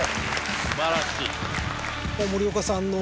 素晴らしい。